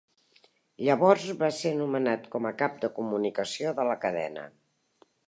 Llavors va ser nomenat com a cap de comunicació de la cadena.